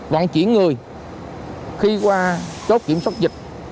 vận chuyển người khi qua chốt kiểm soát dịch